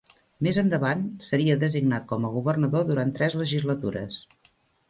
Més endavant seria designat com a governador durant tres legislatures.